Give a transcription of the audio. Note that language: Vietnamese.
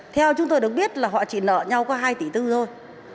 theo chúng tôi được biết là họ chỉ nợ nhau có hai tỷ tư thôi